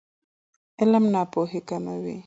علم ناپوهي کموي.